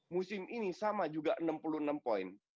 musim ini sama juga enam puluh enam poin